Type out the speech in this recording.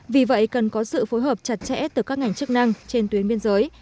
vì vậy cần có sự phối hợp chặt chẽ từ các ngành chức năng trên tuyến biên giới